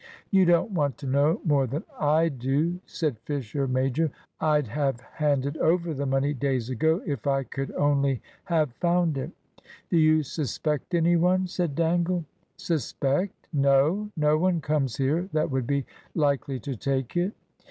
"You don't want to know more than I do," said Fisher major. "I'd have handed over the money days ago, if I could only have found it." "Do you suspect any one?" said Dangle. "Suspect? No. No one comes here that would be likely to take it."